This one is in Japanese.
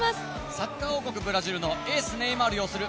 サッカー王国ブラジルのエース、ネイマール擁する